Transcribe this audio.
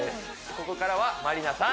ここからはまりなさん